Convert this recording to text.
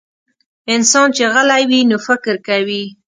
انسان چې غلی وي، نو فکر کوي.